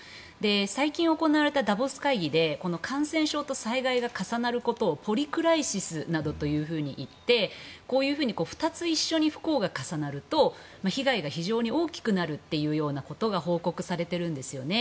最近行われたダボス会議で感染症と災害が重なることをポリクライシスなどというふうに言ってこういうふうに２つ一緒に不幸が重なると被害が非常に大きくなるというようなことが報告されているんですよね。